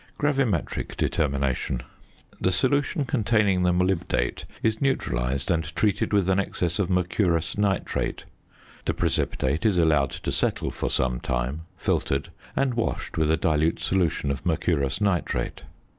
GRAVIMETRIC DETERMINATION. The solution containing the molybdate is neutralised and treated with an excess of mercurous nitrate. The precipitate is allowed to settle for some time, filtered, and washed with a dilute solution of mercurous nitrate.